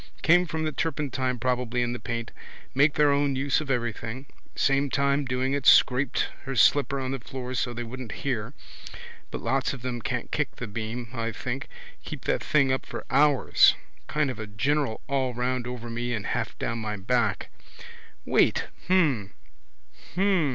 Came from the turpentine probably in the paint. Make their own use of everything. Same time doing it scraped her slipper on the floor so they wouldn't hear. But lots of them can't kick the beam, I think. Keep that thing up for hours. Kind of a general all round over me and half down my back. Wait. Hm. Hm.